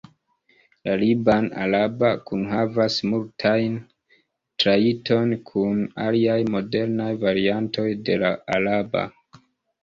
La liban-araba kunhavas multajn trajtojn kun aliaj modernaj variantoj de la araba.